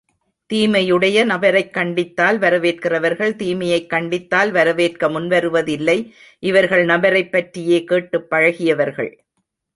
தீமையுடைய நபரைக் கண்டித்தால் வரவேற்கிறவர்கள், தீமையைக் கண்டித்தால் வரவேற்க முன்வருவதில்லை, இவர்கள் நபரைப் பற்றியே கேட்டுப் பழகியவர்கள்.